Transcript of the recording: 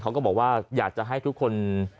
เขาก็บอกว่าอยากจะให้ทุกคน